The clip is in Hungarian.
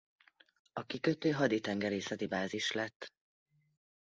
A kikötő haditengerészeti bázis lett.